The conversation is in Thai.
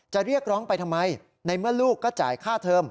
เรียกร้องไปทำไมในเมื่อลูกก็จ่ายค่าเทอม